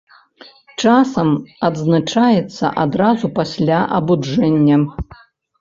Часам адзначаецца адразу пасля абуджэння.